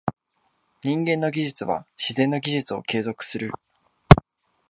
人間の技術は自然の技術を継続する。